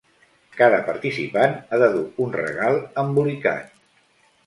Cada participant ha de dur un regal embolicat.